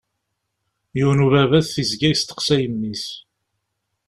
Yiwen n ubabat yezga yesteqsay mmi-s.